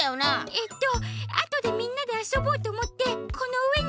えっとあとでみんなであそぼうとおもってこのうえに。